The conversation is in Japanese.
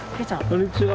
こんにちは。